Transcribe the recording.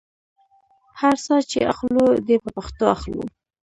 هر ساه چې اخلو دې په پښتو اخلو.